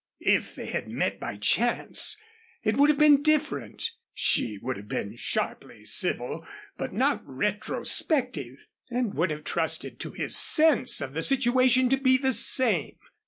If they had met by chance, it would have been different. She would have been sharply civil, but not retrospective; and would have trusted to his sense of the situation to be the same.